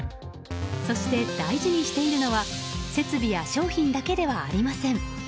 そして大事にしているのは設備や商品だけではありません。